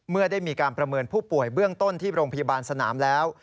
เมื่อได้มีการประเมินผู้ป่วยเบื้องต้นที่โรงพยาบาลสนามแล้ว